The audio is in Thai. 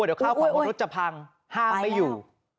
เดี๋ยวข้าวของบนรถจะพังห้ามไม่อยู่